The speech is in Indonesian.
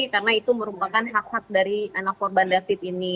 karena itu merupakan hak hak dari anak korban david ini